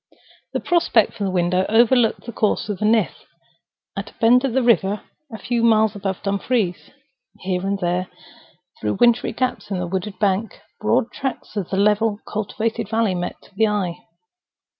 The prospect from the window overlooked the course of the Nith at a bend of the river a few miles above Dumfries. Here and there, through wintry gaps in the wooded bank, broad tracts of the level cultivated valley met the eye.